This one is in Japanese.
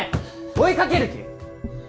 追いかける気？